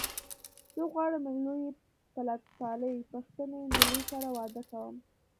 زه غواړم له يوې ملتپالې پښتنې نجيلۍ سره واده کوم.